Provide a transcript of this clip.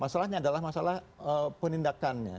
masalahnya adalah masalah penindakannya